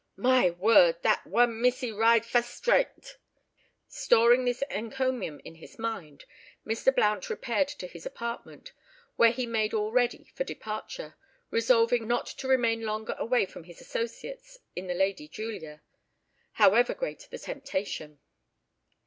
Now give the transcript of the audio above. "My word! that one missy ride fustrate." Storing this encomium in his mind, Mr. Blount repaired to his apartment, where he made all ready for departure, resolving not to remain longer away from his associates in the "Lady Julia," however great the temptation.